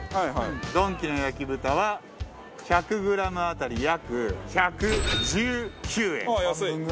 ドンキの焼豚は１００グラム当たり約１１９円。